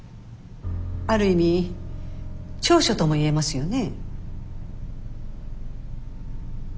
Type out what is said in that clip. ある意味長所とも言えますよね。